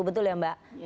betul ya mbak